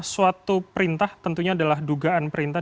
suatu perintah tentunya adalah dugaan perintah